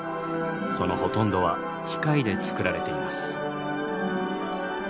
そのほとんどは機械で造られています。